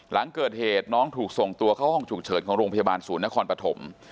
หลังเกิดเหตุน้องถูกส่งตัวเข้าห้องฉุกเฉินของโรงพยาบาลศูนย์นครปฐม